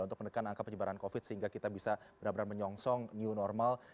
untuk menekan angka penyebaran covid sehingga kita bisa benar benar menyongsong new normal